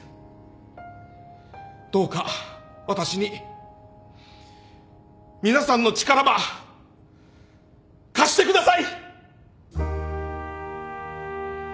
どうか私に皆さんの力ば貸してください！